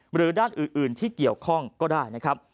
หรือด้านอื่นที่เกี่ยวข้องก็ได้นะครับ